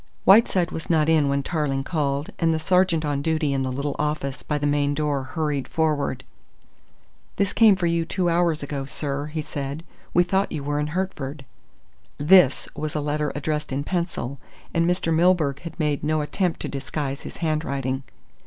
Whiteside was not in when Tarling called, and the sergeant on duty in the little office by the main door hurried forward. "This came for you two hours ago, sir," he said "We thought you were in Hertford." "This" was a letter addressed in pencil, and Mr. Milburgh had made no attempt to disguise his handwriting.